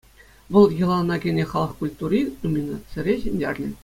Вӑл «Йӑлана кӗнӗ халӑх культури» номинацире ҫӗнтернӗ.